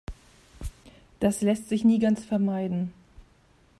Das lässt sich nie ganz vermeiden.